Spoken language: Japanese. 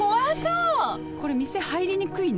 これ店入りにくいね